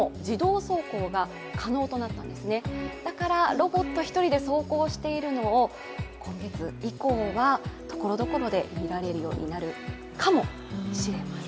ロボット１人で走行しているのを今月以降はところどころで見られるようになるかもしれません。